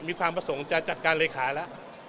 มีความประสงค์จะจัดการเลขาแล้ว